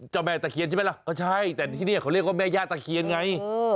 แม่ตะเคียนใช่ไหมล่ะก็ใช่แต่ที่นี่เขาเรียกว่าแม่ย่าตะเคียนไง